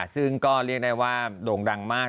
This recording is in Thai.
ซึ่งก็เรียกได้ว่าโด่งดังมาก